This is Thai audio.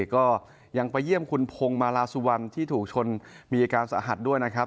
ก็ยังไปเยี่ยมคุณพงศ์มาลาสุวรรณที่ถูกชนมีอาการสาหัสด้วยนะครับ